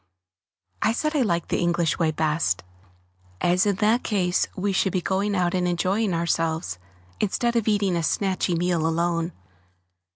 I said I liked the English way best, as in that case we should be going out and enjoying ourselves, instead of eating a snatchy meal alone.